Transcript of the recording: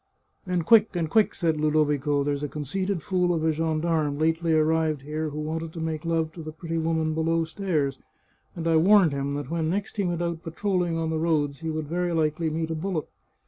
" And quick ! and quick !" said Ludovico. " There's a conceited fool of a gendarme lately arrived here who wanted to make love to the pretty woman below stairs, and I warned him that when next he went out patrolling on the roads he would very likely meet a bullet.